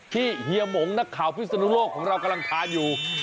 เฮียหมงนักข่าวพิศนุโลกของเรากำลังทานอยู่